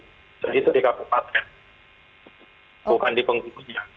jadi itu di kabupaten bukan di penghulu